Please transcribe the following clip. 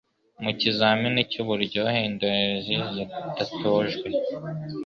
Mu kizamini cy uburyohe indorerezi zidatojwe